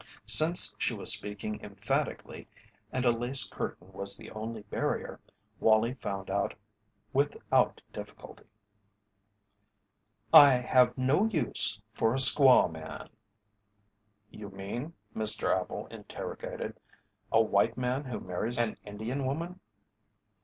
Since she was speaking emphatically and a lace curtain was the only barrier, Wallie found out without difficulty: "I have no use for a squaw man." "You mean," Mr. Appel interrogated, "a white man who marries an Indian woman?"